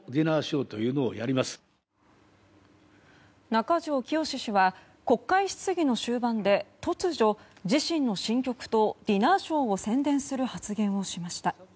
中条きよし氏は国会質疑の終盤で突如、自身の新曲とディナーショーを宣伝する発言をしました。